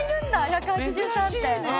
１８３って。